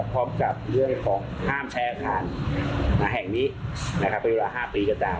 พร้อมกับเรื่องของห้ามใช้อาคารแห่งนี้เป็นเวลา๕ปีก็ตาม